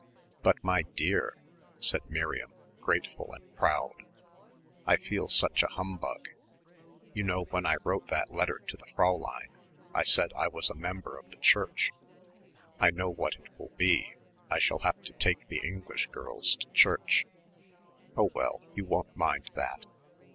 "But, my dear," said Miriam grateful and proud, "I feel such a humbug. You know when I wrote that letter to the Fräulein I said I was a member of the Church. I know what it will be, I shall have to take the English girls to church." "Oh, well, you won't mind that."